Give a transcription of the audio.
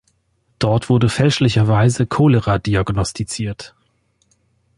Dort wurde fälschlicherweise Cholera diagnostiziert.